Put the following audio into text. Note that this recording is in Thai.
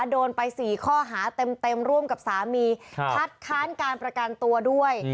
โดนไป๔ข้อหาเต็มร่วมกับสามีคัดค้านการประกันตัวด้วย